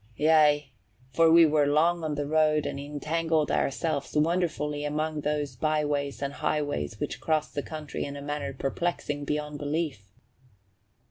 "Yea, for we were long on the road and entangled ourselves wonderfully among those byways and high ways which cross the country in a manner perplexing beyond belief."